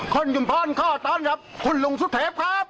คุณชุมพรขอต้อนรับคุณลุงสุเทพครับ